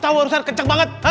seorang anak buam pike